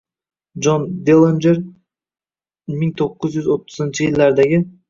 Jon Dillinjer ming to'qqiz yuz o'ttizinchi yillardagi